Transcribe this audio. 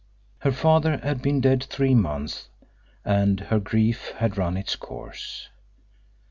Her father had been dead three months, and her grief had run its course.